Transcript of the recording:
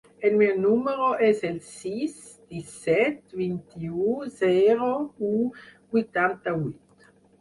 El meu número es el sis, disset, vint-i-u, zero, u, vuitanta-vuit.